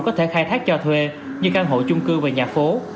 có thể khai thác cho thuê như căn hộ chung cư và nhà phố